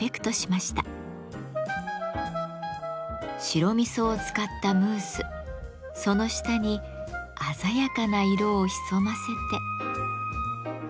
白味噌を使ったムースその下に鮮やかな色を潜ませて。